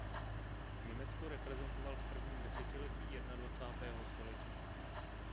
Německo reprezentoval v prvním desetiletí jednadvacátého století.